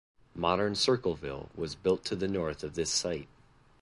Modern Circleville was built to the north of this site.